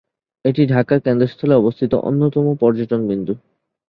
এটি ঢাকার কেন্দ্রস্থলে অবস্থিত অন্যতম পর্যটন বিন্দু।